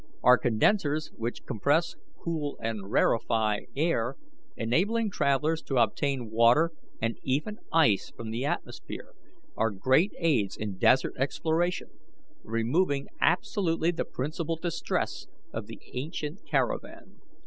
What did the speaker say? Our condensers, which compress, cool, and rarefy air, enabling travellers to obtain water and even ice from the atmosphere, are great aids in desert exploration, removing absolutely the principal distress of the ancient caravan.